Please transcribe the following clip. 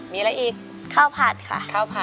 มีอะไรอีกข้าวผัดค่ะ